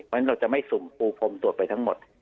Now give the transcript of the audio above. เพราะฉะนั้นเราจะไม่สุ่มปูพรมตรวจไปทั้งหมด